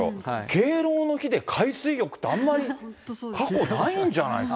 敬老の日で海水浴って、過去あんまり聞いたことないんじゃないですか。